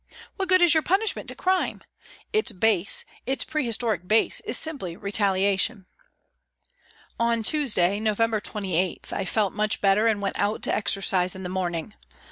What good is your punishment to crime ? Its base, its prehistoric base, is simply retaliation." On Tuesday, November 28, 1 felt much better and went out to exercise in the morning.